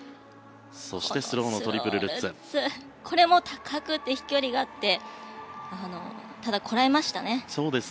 そしてスロートリプルルッツはこれも高くて飛距離があってただ、こらえましたね。